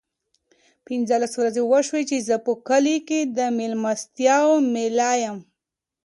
پینځلس ورځې وشوې چې زه په کلي کې د مېلمستیاوو مېلمه یم.